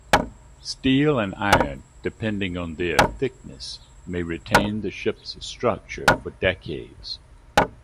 Steel and iron, depending on their thickness, may retain the ship's structure for decades.